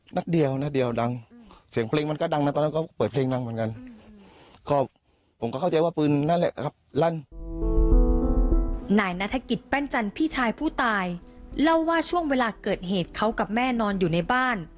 นายนัฐกิจแป้นจันทร์พี่ชายผู้ตายเล่าว่าช่วงเวลาเกิดเหตุเขากับแม่นอนอยู่ในบ้าน